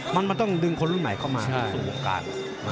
มันต้องดึงคนรุ่นใหม่เข้ามาสู่วงการ